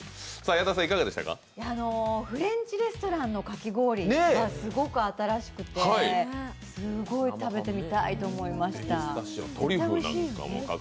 フレンチレストランのかき氷はすごく新しくて、すごい食べてみたいと思いました。